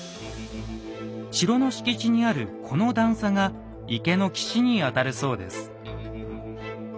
城の敷地にあるこの段差が池の岸にあたるそうです。